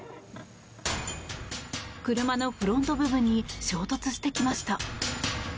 車のフロント部分に衝突してきました。